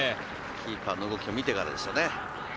キーパーの動きを見てからですね。